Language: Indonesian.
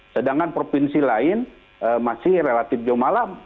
sedangkan provinsi lain masih relatif jumalam